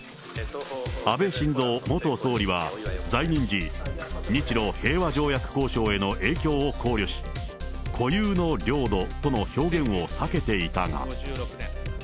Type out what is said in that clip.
安倍晋三元総理は、在任時、日ロ平和条約交渉への影響を考慮し、固有の領土との表現を避けていたが。